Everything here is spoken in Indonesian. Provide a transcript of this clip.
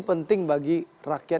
ini penting bagi rakyat